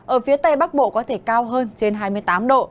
ở phía tây bắc bộ có thể cao hơn trên hai mươi tám độ